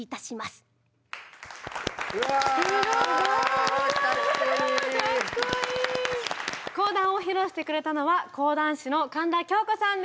すごい！講談を披露してくれたのは京子さん